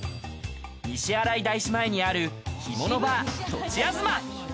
西新井大師前にある、ひものばーとちあずま。